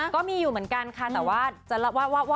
ก็มีอยู่เหมือนกันค่ะแต่ว่าจะลึกกภพแล้ว